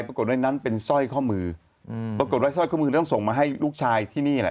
ปรากฏว่านั้นเป็นสร้อยข้อมืออืมปรากฏว่าสร้อยข้อมือต้องส่งมาให้ลูกชายที่นี่แหละ